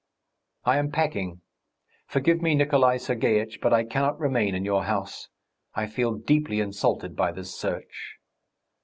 "I am packing. Forgive me, Nikolay Sergeitch, but I cannot remain in your house. I feel deeply insulted by this search!"